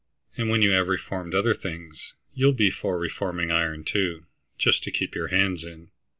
And when you have reformed other things, you'll be for reforming iron, too, just to keep your hands in.